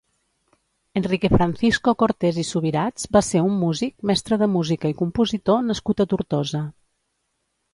Enrique Francisco Cortés i Subirats va ser un músic, mestre de música i compositor nascut a Tortosa.